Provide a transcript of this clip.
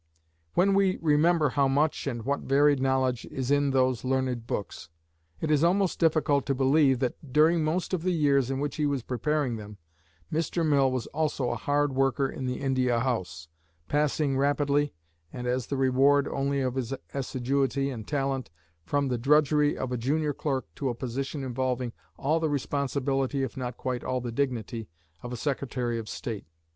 When we remember how much and what varied knowledge is in those learned books, it is almost difficult to believe, that, during most of the years in which he was preparing them, Mr. Mill was also a hard worker in the India House, passing rapidly, and as the reward only of his assiduity and talent, from the drudgery of a junior clerk to a position involving all the responsibility, if not quite all the dignity, of a secretary of state.